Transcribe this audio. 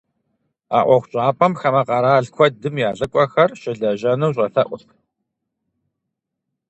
А ӏуэхущӏапӏэм хамэ къэрал куэдым я лӀыкӀуэхэр щылэжьэну щӀэлъэӀурт.